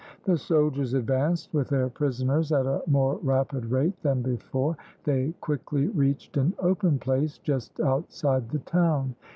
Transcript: The soldiers advanced with their prisoners at a more rapid rate than before; they quickly reached an open place just outside the town.